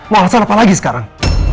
mau alasan apa lagi sekarang